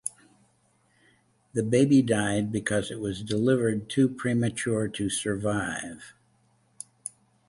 The baby died because it was delivered too premature to survive.